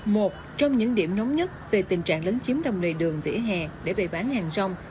một trong những điểm nóng nhất về tình trạng lớn chiếm lồng đường vỉa hè để bày bán hàng rong